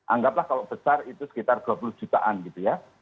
anggaplah kalau besar itu sekitar dua puluh jutaan gitu ya